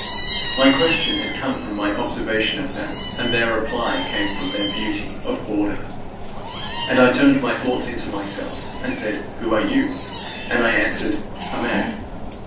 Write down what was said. My question had come from my observation of them, and their reply came from their beauty of order. And I turned my thoughts into myself and said, "Who are you?" And I answered, "A man."